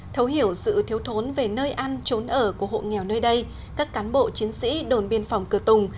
thấu hiểu sự thiếu thốn về nơi ăn trốn ở của hộ nghèo nơi đây các cán bộ chiến sĩ đồn biên phòng cửa tùng